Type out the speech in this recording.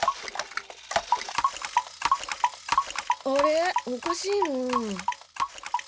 おかしいな。